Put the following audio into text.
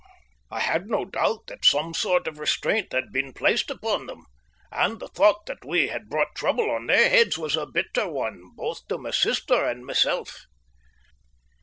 I had no doubt that some sort of restraint had been placed upon them; and the thought that we had brought trouble on their heads was a bitter one both to my sister and myself.